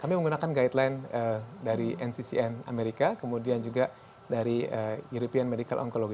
kami menggunakan guideline dari nccn amerika kemudian juga dari european medical oncology